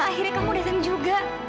akhirnya kamu datang juga